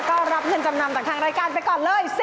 ก็รับเงินจำนำจากทางรายการไปก่อนเลย